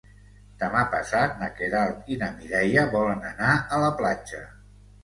Demà passat na Queralt i na Mireia volen anar a la platja.